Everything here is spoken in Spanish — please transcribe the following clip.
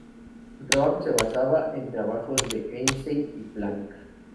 Su trabajo se basaba en los trabajos de Einstein y Planck.